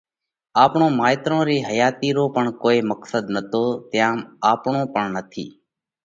آپڻون مائيترون رِي حياتِي رو پڻ ڪوئي مقصڌ نتو تيام آپڻو پڻ نٿِي۔